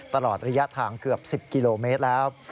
ตลอดระยะทางเกือบ๑๐กิโลเมตรแล้ว